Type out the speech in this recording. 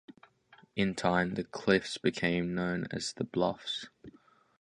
In time, the cliffs became known as the Bluffs.